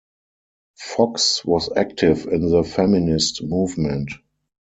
Fox was active in the feminist movement.